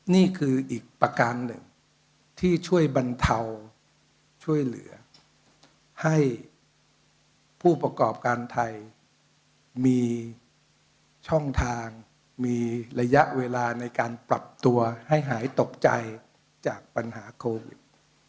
นี่คืออีกประการหนึ่งที่ช่วยบรรเทาช่วยเหลือให้ผู้ประกอบการไทยมีช่องทางมีระยะเวลาในการปรับตัวให้หายตกใจจากปัญหาโควิด